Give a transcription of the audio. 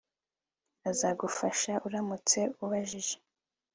Azagufasha uramutse ubajije